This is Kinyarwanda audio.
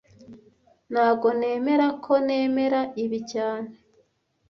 Ntago nemera ko nemera ibi cyane